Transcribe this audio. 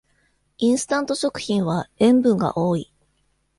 インスタント食品は塩分が多い